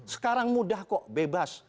sekarang mudah kok bebas